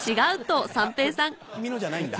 これ君のじゃないんだ。